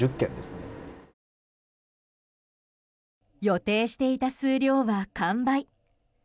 予定していた数量は完売。